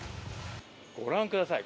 ご覧ください